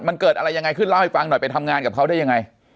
มันเกิดอะไรยังไงขึ้นเล่าให้ฟังหน่อยไปทำงานกับเขาได้ยังไง